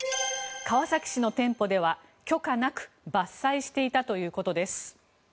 川崎市の店舗では許可なく伐採していたということです。